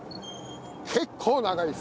結構長いです。